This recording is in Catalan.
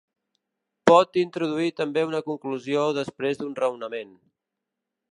Pot introduir també una conclusió després d'un raonament.